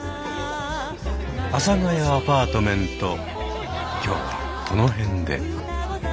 「阿佐ヶ谷アパートメント」今日はこの辺で。